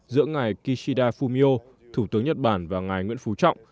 giữa ngài kishida fumio thủ tướng nhật bản và ngài nguyễn phú trọng